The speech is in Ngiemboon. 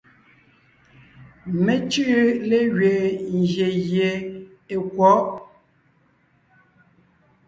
Mé cʉ́ʼʉ légẅiin ngyè gie è kwɔ̌ʼ.